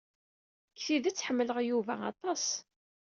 Deg tidet, ḥemmleɣ Yuba aṭas.